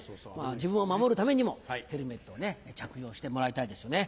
自分を守るためにもヘルメットを着用してもらいたいですよね。